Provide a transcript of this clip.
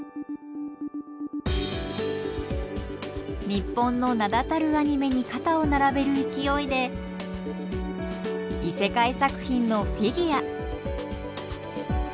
日本の名だたるアニメに肩を並べる勢いで異世界作品のフィギュア。